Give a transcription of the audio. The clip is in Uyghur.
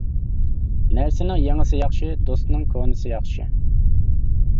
نەرسىنىڭ يېڭىسى ياخشى، دوستنىڭ كونىسى ياخشى.